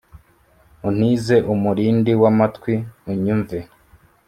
Untize umurindi w’amatwi unyumve